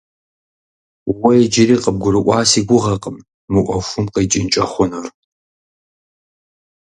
Уэ иджыри къыбгурыӀуа си гугъэкъым мы Ӏуэхум къикӀынкӀэ хъунур.